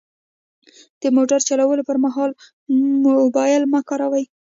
د موټر چلولو پر مهال موبایل مه کاروئ.